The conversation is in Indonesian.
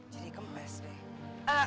jadi gempes deh